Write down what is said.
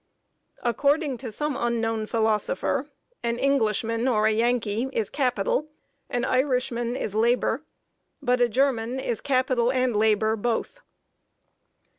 According to some unknown philosopher, "an Englishman or a Yankee is capital; an Irishman is labor; but a German is capital and labor both."